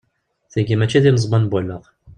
Tiyi mačči d ineẓman n wallaɣ.